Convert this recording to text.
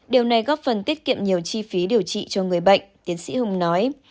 điều này góp phần tiết kiệm nhiều chi phí điều trị cho người bệnh tiến sĩ hùng nói